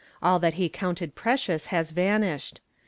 All that he counted precious has vanished.